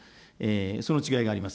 その違いがあります。